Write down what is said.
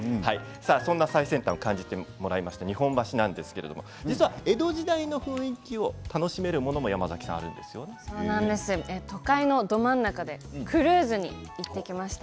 そんな最先端を感じてもらいました日本橋なんですけれども江戸時代の雰囲気を楽しめる都会のど真ん中でクルーズに行ってきました。